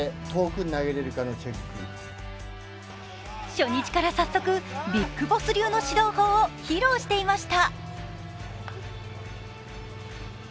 初日から早速、ビッグボス流の指導法を披露していました。